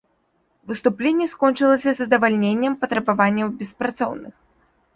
Выступленне скончылася задавальненнем патрабаванняў беспрацоўных.